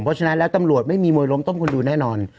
เพราะฉะนั้นแล้วตำรวจไม่มีมวยล้มต้มคนดูแน่นอน